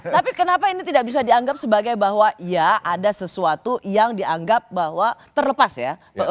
tapi kenapa ini tidak bisa dianggap sebagai bahwa ya ada sesuatu yang dianggap bahwa terlepas ya